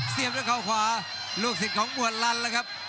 เสียบด้วยเข้าขวาลูกศิษย์ของหมวดลันล่ะครับ